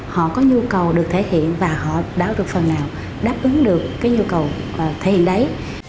họ có nhu cầu được thể hiện và họ đáo được phần nào đáp ứng được cái nhu cầu thể hiện đấy